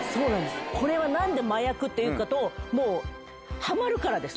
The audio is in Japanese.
これは何で麻薬というかというとハマるからです。